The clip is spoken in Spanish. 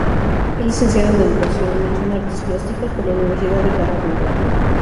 Es licenciado en Educación, Mención Artes Plásticas, por la Universidad de Carabobo.